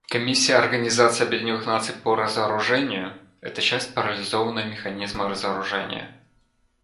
Комиссия Организации Объединенных Наций по разоружению — это часть парализованного механизма разоружения.